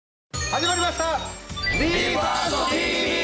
始まりました！